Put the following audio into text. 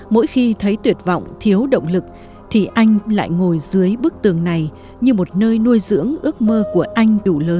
mỗi khi thấy tuyệt vọng thiếu động lực thì anh lại ngồi dưới bức tường này như một nơi nuôi dưỡng ước mơ của anh đủ lớn